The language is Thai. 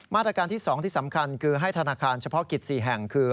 มาตรการที่๒ที่สำคัญคือให้ธนาคารเฉพาะกิจ๔แห่งคือ